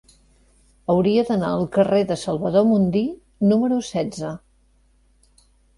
Hauria d'anar al carrer de Salvador Mundí número setze.